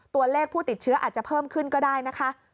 ตัวเลขผู้ติดเชื้ออาจจะเพิ่มขึ้นก็ได้นะคะ